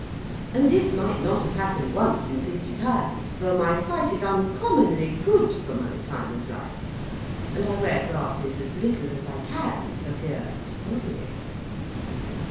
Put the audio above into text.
And this might not have happened once in fifty times, for my sight is uncommonly good for my time of life; and I wear glasses as little as I can, for fear of spoiling it.